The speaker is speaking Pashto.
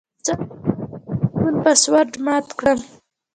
څنګه کولی شم د فون پاسورډ مات کړم